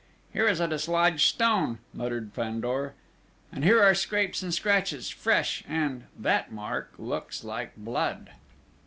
"Here is a dislodged stone," muttered Fandor. "And here are scrapes and scratches fresh ... and ... that mark looks like blood!"